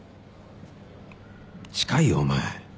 近いよお前。